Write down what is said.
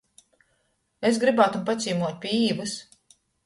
Es grybātum pacīmuot pi Īvys.